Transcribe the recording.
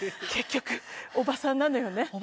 結局おばさんなのよね。